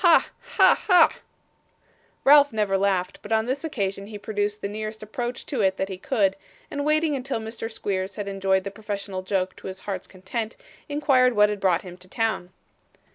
Ha! ha! ha!' Ralph never laughed, but on this occasion he produced the nearest approach to it that he could, and waiting until Mr. Squeers had enjoyed the professional joke to his heart's content, inquired what had brought him to town.